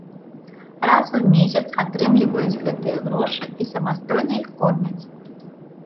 Раз у месяц атрымліваюць гэтыя грошы і самастойна іх кормяць.